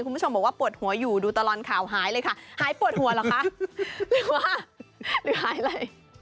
คุณผู้ชมบอกว่าปวดหัวอยู่ดูตลอดข่าวหายเลยค่ะหายปวดหัวเหรอคะหรือว่าหรือหายอะไร